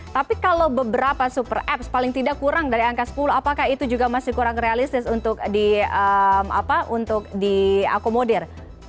tapi kalau beberapa super apps paling tidak kurang dari angka sepuluh apakah itu juga masih kurang realistis untuk diakomodir